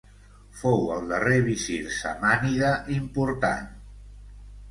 Fou el darrer visir samànida important.